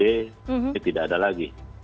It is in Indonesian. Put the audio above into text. ini tidak ada lagi